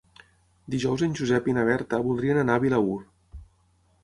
Dijous en Josep i na Berta voldrien anar a Vilaür.